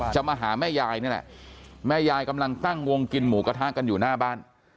มาหาแม่ยายนี่แหละแม่ยายกำลังตั้งวงกินหมูกระทะกันอยู่หน้าบ้าน